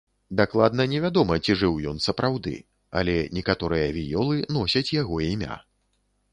Дакладна не вядома ці жыў ён сапраўды, але некаторыя віёлы носяць яго імя.